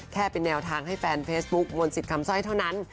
แค่เป็นแนวทางให้แฟนเฟซบุ๊คมนต์สิทธิ์คำสร้อยเท่านั้น